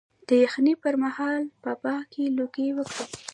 د یخنۍ پر مهال په باغ کې لوګی وکړم؟